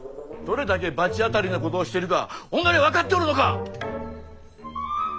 どれだけ罰当たりなことをしてるかおのれ分かっておるのか！